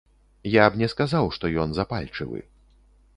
Я б не сказаў, што ён запальчывы.